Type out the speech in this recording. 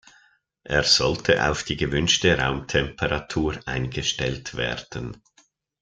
Er sollte auf die gewünschte Raumtemperatur eingestellt werden.